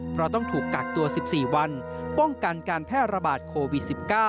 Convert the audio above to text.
เพราะต้องถูกกักตัว๑๔วันป้องกันการแพร่ระบาดโควิด๑๙